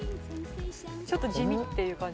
ちょっと地味っていう感じ。